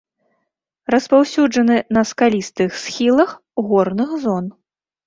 Распаўсюджаны на скалістых схілах горных зон.